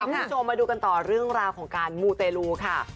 คุณผู้ชมมาดูกันต่อเรื่องราวของการมูเตลูค่ะ